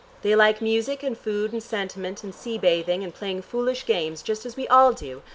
They like music and food and sentiment and sea bathing and playing foolish games, just as we all do.